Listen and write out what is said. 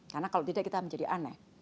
karena kalau tidak kita menjadi aneh